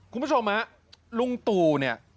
คุณผู้ชมฮะลุงตู่เนี่ย